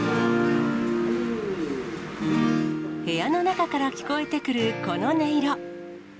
部屋の中から聞こえてくるこの音色。